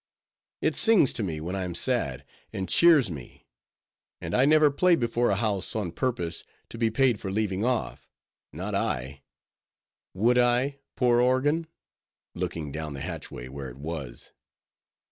it sings to me when I am sad, and cheers me; and I never play before a house, on purpose to be paid for leaving off, not I; would I, poor organ?"— looking down the hatchway where it was.